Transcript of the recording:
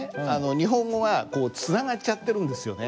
日本語がこうつながっちゃってるんですよね。